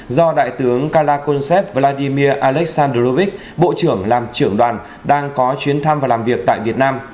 do đại tướng kalakonsep vladimir aleksandrovich bộ trưởng làm trưởng đoàn đang có chuyến thăm và làm việc tại việt nam